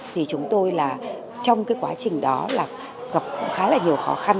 thì chúng tôi là trong cái quá trình đó là gặp khá là nhiều khó khăn